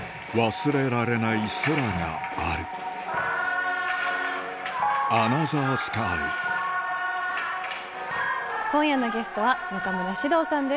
忘れられない空がある今夜のゲストは中村獅童さんです。